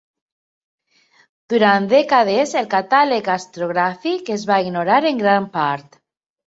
Durant dècades el Catàleg Astrogràfic es va ignorar en gran part.